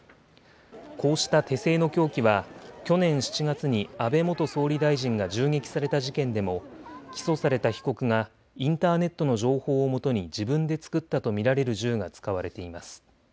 こうした手製の凶器は去年７月に安倍元総理大臣が銃撃された事件でも起訴された被告がインターネットの情報を基に自分で作ったと見られる銃が使われています。